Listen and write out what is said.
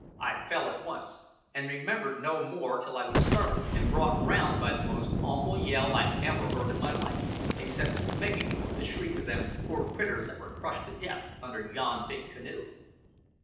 I fell at once, and remembered no more till I was startled and brought round by the most awful yell I ever heard in my life except, maybe, the shrieks o' them poor critters that were crushed to death under yon big canoe.